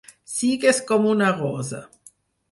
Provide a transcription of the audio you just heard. Sigues com una rosa!